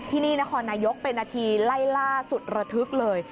ที่นี่นครนายกเป็นนาทีไล่ล่าสุดระทึกเลย